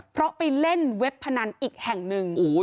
เพราะไปเล่นเว็บพนันอีกแห่งหนึ่ง